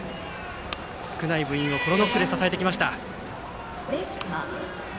少ない部員をこのノックで支えてきました。